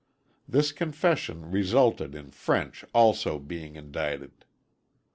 This confession resulted in French also being indicted.